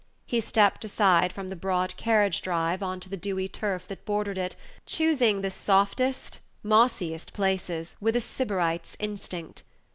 He stepped aside from the broad carriage drive on to the dewy turf that bordered it, choosing the softest, mossiest places, with a sybarite's instinct.